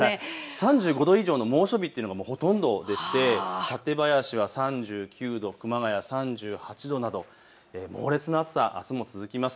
３５度以上の猛暑日というのがほとんどでして館林は３９度、熊谷３８度など猛烈な暑さ、あすも続きます。